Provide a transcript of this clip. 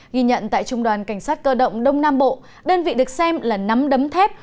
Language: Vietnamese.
ghi nhận tại trung đoàn cảnh sát cơ động đông nam bộ đơn vị được xem là nắm đấm thép